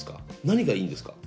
何がいいんですか？